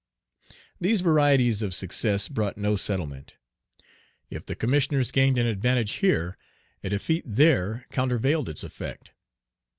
These varieties of success brought no settlement. If the Commissioners gained an advantage here, a defeat there countervailed its effect.